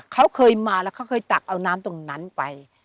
เขาเคยมาแล้วเขาเคยตักเอาน้ำตรงนั้นไป